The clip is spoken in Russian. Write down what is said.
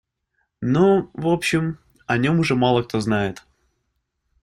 Но, в общем, о нем уже мало кто знает.